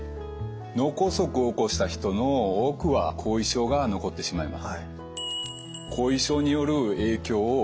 脳梗塞を起こした人の多くは後遺症が残ってしまいます。